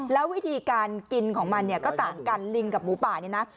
แล้ววิธีการกินของมันเนี่ยก็ต่างกันลิงกับหมูป่าเนี่ยนะ